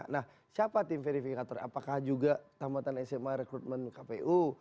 nah siapa tim verifikator apakah juga tamatan sma rekrutmen kpu